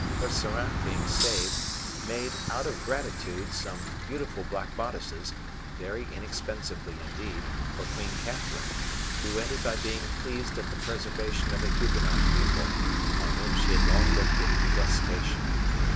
Percerin being saved, made, out of gratitude, some beautiful black bodices, very inexpensively indeed, for Queen Catherine, who ended by being pleased at the preservation of a Huguenot people, on whom she had long looked with detestation.